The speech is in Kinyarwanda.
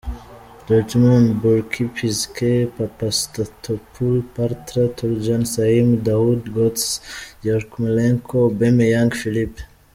Dortmund: Bürki; Piszczek, Papastathopoulos, Bartra, Toljan; Şahin, Dahoud, Götze; Yarmolenko, Aubameyang, Philipp.